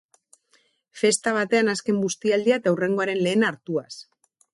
Festa batean azken bustialdia eta hurrengoaren lehena hartuaz.